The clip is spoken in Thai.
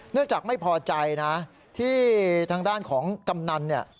จากไม่พอใจนะที่ทางด้านของกำนันเนี่ย